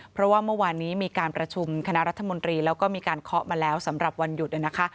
เพราะว่าเมื่อวานนี้มีการประชุมคณะรัฐมนตรีแล้วก็มีการเคาะมาแล้วสำหรับวันหยุดนะคะ